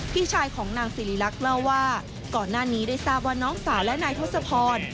พี่ชายของนางสิริรักษ์เล่าว่าก่อนหน้านี้ได้ทราบว่าน้องสาวและนายทศพร